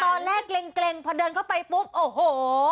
ตอนแรกเกร็งพอเดินเข้าไปปุ๊บโอ้โห